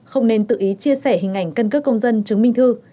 không nên tự ý chia sẻ hình ảnh căn cước công dân chứng minh thư